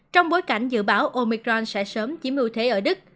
trong bối cảnh dự báo omicron sẽ sớm chiếm ưu thế ở đức